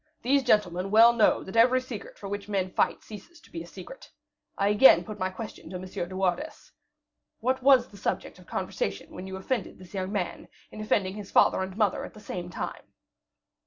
These gentlemen well know that every secret for which men fight ceases to be a secret. I again put my question to M. de Wardes. What was the subject of conversation when you offended this young man, in offending his father and mother at the same time?"